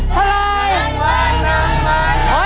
เท่าไหร่